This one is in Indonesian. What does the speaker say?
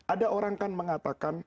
ada orang kan mengatakan